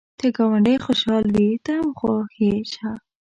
که ګاونډی خوشحال وي، ته هم خوښ شه